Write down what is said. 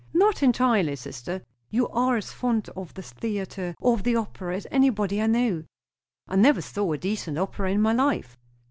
"Not entirely, sister." "You are as fond of the theatre, or of the opera, as anybody I know." "I never saw a decent opera in my life."